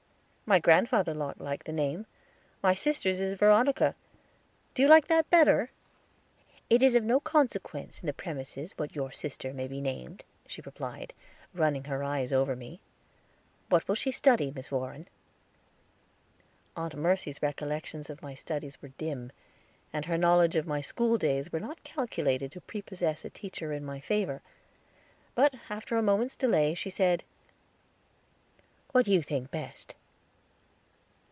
"My Grandfather Locke liked the name; my sister's is Veronica; do you like that better?" "It is of no consequence in the premises what your sister may be named," she replied, running her eyes over me. "What will she study, Miss Warren?" Aunt Mercy's recollections of my studies were dim, and her knowledge of my school days was not calculated to prepossess a teacher in my favor; but after a moment's delay, she said: "What you think best."